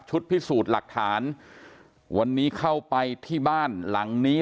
พิสูจน์หลักฐานวันนี้เข้าไปที่บ้านหลังนี้